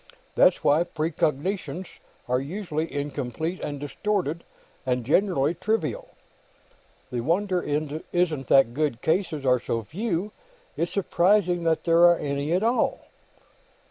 That's why precognitions are usually incomplete and distorted, and generally trivial. The wonder isn't that good cases are so few; it's surprising that there are any at all."